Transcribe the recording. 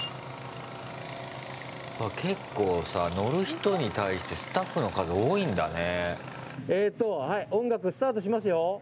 結構さ、乗る人に対してスタッフの数、多いんだね。